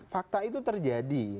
fakta itu terjadi